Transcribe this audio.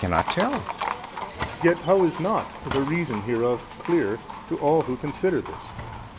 B. I cannot tell. A. Yet how is not the reason hereof clear to all who consider this?